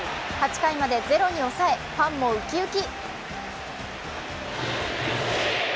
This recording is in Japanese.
８回までゼロに抑えファンもウキウキ。